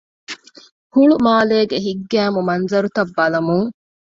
ހުޅުމާލޭގެ ހިތްގައިމު މަންޒަރުތައް ބަލަމުން